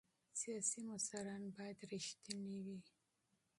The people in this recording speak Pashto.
سیاسي مشران باید شفاف وي